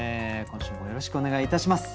今週もよろしくお願いいたします。